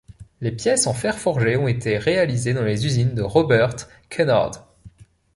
Les pièces en fer forgé ont été réalisées dans les usines de Robert Kennard.